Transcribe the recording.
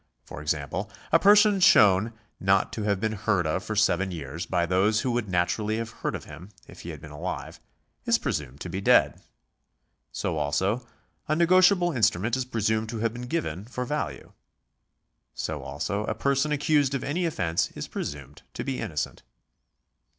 For example, a person shown not to have been heard of for seven years by those who would naturally have heard of him if he had been alive, is § 174] THE LAW OF PROCEDURE 447 presumed to be dead. So also a negotiable instrument is presumed to have been given for value. So also a person accused of any offence is presumed to be innocent.